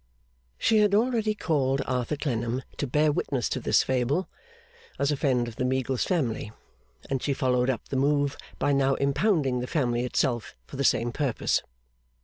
She had already called Arthur Clennam to bear witness to this fable, as a friend of the Meagles family; and she followed up the move by now impounding the family itself for the same purpose.